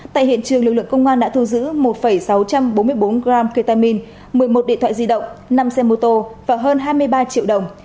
tại hiện trường lực lượng công an đã thu giữ một sáu trăm bốn mươi bốn gram ketamine một mươi một điện thoại di động năm xe mô tô và hơn hai mươi ba triệu đồng